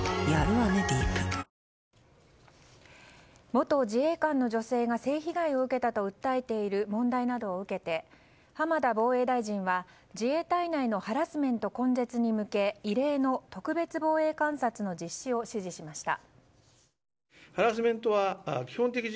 元自衛官の女性が性被害を受けたと訴えている問題などを受けて浜田防衛大臣は自衛隊内のハラスメント根絶に向け異例の特別防衛監察の実施を指示しました。